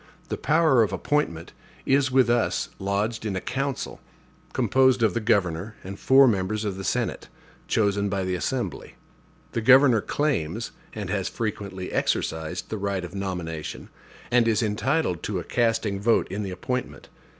The power of appointment is with us lodged in a council, composed of the governor and four members of the Senate, chosen by the Assembly. The governor claims, and has frequently exercised, the right of nomination, and is entitled to a casting vote in the appointment.